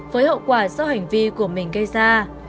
với hậu quả do hành vi của mình gây ra